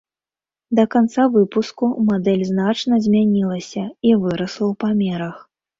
Да канца выпуску мадэль значна змянілася і вырасла ў памерах.